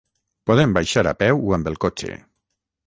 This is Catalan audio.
Podem baixar a peu o amb el cotxe.